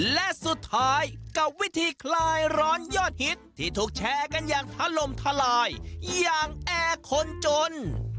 และสุดท้ายกับวิธีคลายร้อนยอดฮิตที่ถูกแชร์กันอย่างถล่มทลายอย่างแอร์คนจน